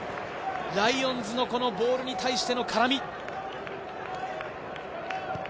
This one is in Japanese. ライオンズのボールに対しての絡み。